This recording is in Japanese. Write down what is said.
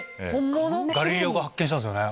ガリレオが発見したんですよね。